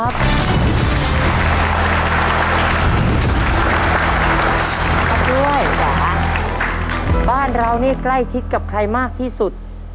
บ้านเรานี่ใกล้ชิดกับใครมากที่สุด